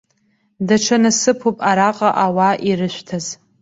Даҽа насыԥуп араҟа ауаа ирышәҭаз.